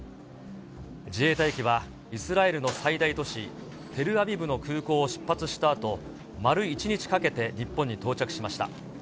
自衛隊機はイスラエルの最大都市、テルアビブの空港を出発したあと、丸１日かけて日本に到着しました。